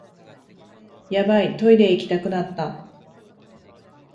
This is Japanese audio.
ヤバい、トイレ行きたくなった